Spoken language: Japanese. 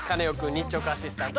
日直アシスタント